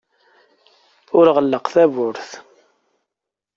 Ur ɣelleq tawwurt.